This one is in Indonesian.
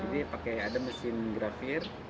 jadi ada mesin grafir